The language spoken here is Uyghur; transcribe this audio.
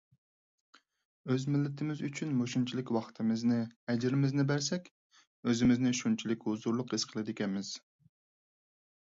ئۆز مىللىتىمىز ئۈچۈن مۇشۇنچىلىك ۋاقتىمىزنى، ئەجرىمىزنى بەرسەك، ئۆزىمىزنى شۇنچىلىك ھۇزۇرلۇق ھېس قىلىدىكەنمىز.